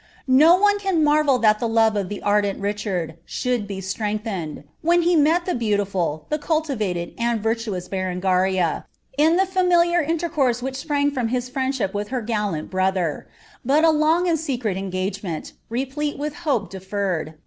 No one can marvel that the love of itie anient Richard shouU be sirenglhened, wlien he met the beautiful, the culliraled, and Tinuoui BereDgaria, in iha lainiliar intercourse which sprang from hia frienJohip with her gallant brother;' but a long and secret en^^^nienl, rrplnt with ■• hope delerrcd."